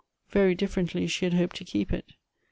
Very differently she had hoped to keep it.